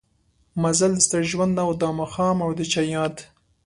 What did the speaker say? مزل د ستړي ژوند او دا ماښام او د چا ياد